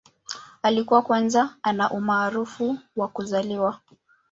Alikuwa kwanza ana umaarufu wa kuzaliwa.